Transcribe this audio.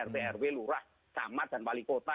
rtrw lurah kamat dan wali kota